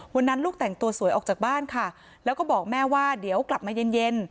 ลูกแต่งตัวสวยออกจากบ้านค่ะแล้วก็บอกแม่ว่าเดี๋ยวกลับมาเย็นเย็น